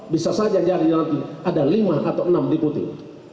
bisa saja jadi nanti ada lima atau enam diputi